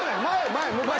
前。